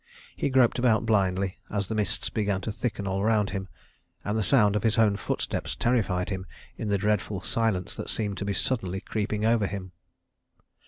He groped about blindly, as the mists began to thicken all around him, and the sound of his own footsteps terrified him in the dreadful silence that seemed to be suddenly creeping over him.